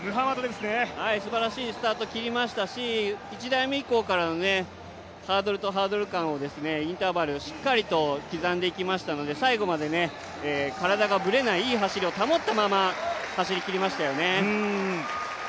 すばらしいスタート切りましたし、１台目以降からハードルとハードル間をインターバル、しっかりと刻んでいきましたので最後まで体がぶれないいい走りを保ったまま走りきりましたよね。